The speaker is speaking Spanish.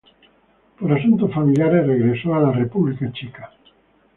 Por asuntos familiares regresó a República Checa.